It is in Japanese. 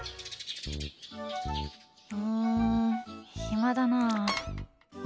うーん、暇だなあ。